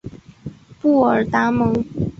布尔达蒙。